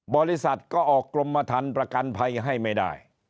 บริษัทก็ออกกรมทันประกันภัยให้ไม่ได้